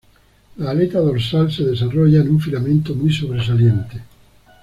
La aleta dorsal se desarrolla en un filamento muy sobresaliente.